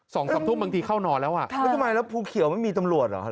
สองสามทุ่มบางทีเข้านอนแล้วอ่ะค่ะแล้วทำไมแล้วภูเขียวไม่มีตำรวจเหรอ